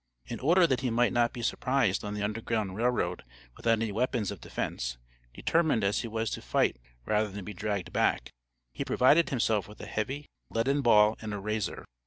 In order that he might not be surprised on the Underground Rail Road without any weapons of defense, determined as he was to fight rather than be dragged back, he provided himself with a heavy, leaden ball and a razor.